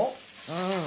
うん。